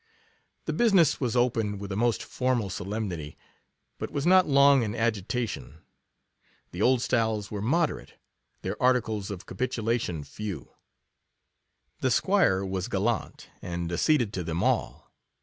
The business was opened with the most formal solemnity, but was not long in agita tion. The Oldstyles were moderate — their articles of capitulation few: the 'Squire was gallant, and acceded to them all.